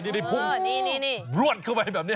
นี่พุ่งรวดเข้าไปแบบนี้